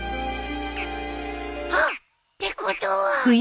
あっ！ってことは。